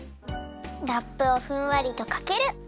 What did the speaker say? ラップをふんわりとかける！